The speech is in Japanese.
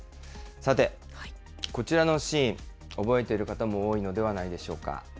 さて、こちらのシーン、覚えている方も多いのではないでしょうか。